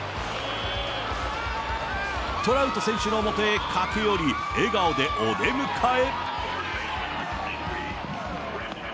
トラウト選手のもとへ駆け寄り、笑顔でお出迎え。